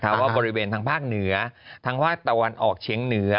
เพราะว่าบริเวณทางภาคเหนือทางภาคตะวันออกเชียงเหนือ